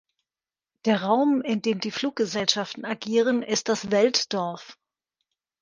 Der Raum, in dem die Fluggesellschaften agieren, ist das Welt-Dorf.